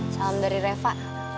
salam dari reva